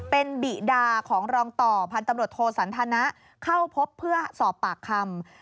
เป็นบิดาของรองต่อพันธุ์ตำรวจโทสันทนะเข้าพบเพื่อสอบปากคำ